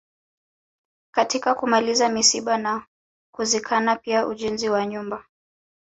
Katika kumaliza misiba na kuzikana pia ujenzi wa nyumba